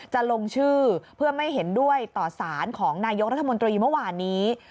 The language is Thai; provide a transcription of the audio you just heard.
จะลงชื่อเพื่อไม่เห็นด้วยต่อสารของนายกรัฐมนตรีเมื่อวานนี้